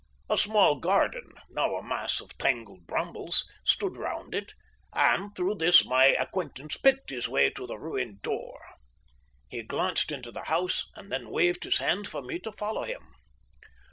A small garden, now a mass of tangled brambles, stood round it, and through this my acquaintance picked his way to the ruined door. He glanced into the house and then waved his hand for me to follow him.